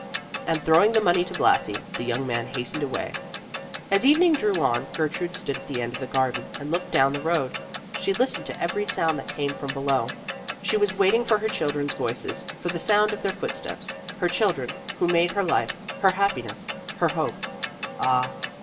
and throwing the money to Blasi, the young man hastened away. As evening drew on, Gertrude stood at the end of the garden and looked down the road. She listened to every sound that came from below. She was waiting for her children's voices, for the sound of their footsteps; her children, who made her life, her happiness, her hope! Ah!